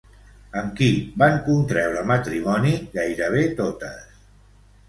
Amb qui van contreure matrimoni gairebé totes?